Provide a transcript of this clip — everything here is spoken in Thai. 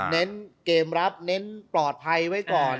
เน้นเกมรับเน้นปลอดภัยไว้ก่อน